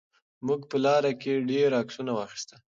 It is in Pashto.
موږ په لاره کې ډېر عکسونه واخیستل.